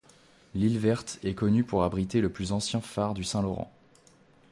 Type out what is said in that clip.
L'île Verte est connue pour abriter le plus ancien phare du Saint-Laurent.